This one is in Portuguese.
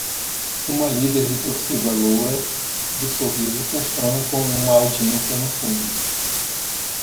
Uma líder de torcida loura de sorriso funciona com uma audiência no fundo.